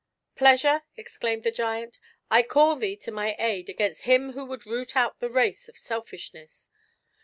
" Pleasure," exclaimed the giant, " I call thee to my aid against him who would root out the race of Selfish ness.